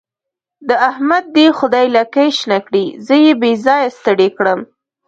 د احمد دې خدای لکۍ شنه کړي؛ زه يې بې ځايه ستړی کړم.